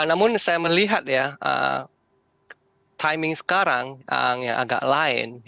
namun saya melihat ya timing sekarang yang agak lain